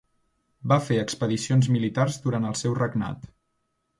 Va fer expedicions militars durant el seu regnat.